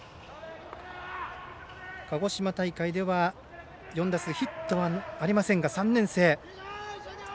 鹿児島大会では４打数ヒットはありませんが３年生。